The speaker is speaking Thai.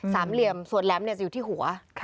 เหลี่ยมส่วนแหลมจะอยู่ที่หัว